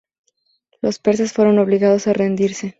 Los persas fueron obligados a rendirse.